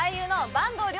坂東龍